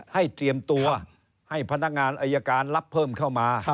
เตรียมตัวให้พนักงานอายการรับเพิ่มเข้ามา